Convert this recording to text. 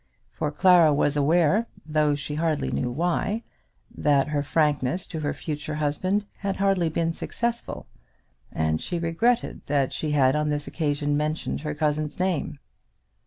For Clara was aware, though she hardly knew why, that her frankness to her future husband had hardly been successful, and she regretted that she had on this occasion mentioned her cousin's name.